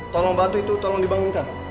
tolong batu itu tolong dibangunkan